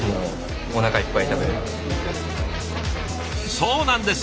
そうなんです！